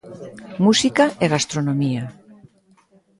Música e gastronomía.